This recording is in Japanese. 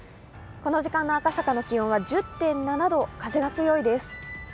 この時間の赤坂の気温は１０．７度、風が強いです。